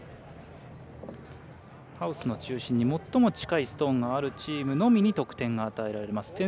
ハウスの中心に最も近いストーンがあるチームにのみ得点が与えられます。